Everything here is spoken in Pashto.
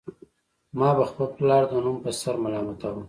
ما به خپل پلار د نوم په سر ملامتاوه